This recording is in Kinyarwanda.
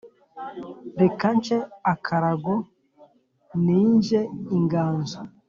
Reka nce akarago ninje inganzo